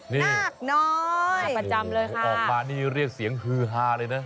นากน้อยออกมานี่เรียกเสียงฮือหาเลยนะ